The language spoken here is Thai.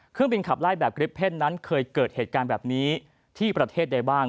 เครื่องบินขับไล่แบบกริปเพ่นนั้นเคยเกิดเหตุการณ์แบบนี้ที่ประเทศใดบ้าง